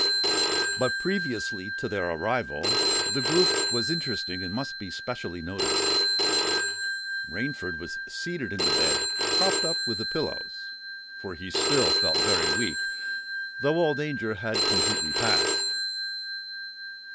But previously to their arrival, the group was interesting and must be specially noticed. Rainford was seated in the bed, propped up with the pillows; for he still felt very weak, though all danger had completely passed.